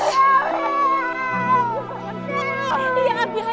dengar apa danda berkata hal ter legislature